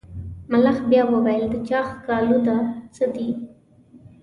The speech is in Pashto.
ملخ بیا وویل د چا ښکالو ده څه دي.